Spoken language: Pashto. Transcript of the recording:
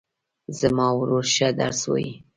زما ورور ښه درس وایي